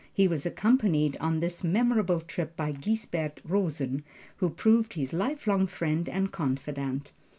He was accompanied on this memorable trip by Gisbert Rosen, who proved his lifelong friend and confidant.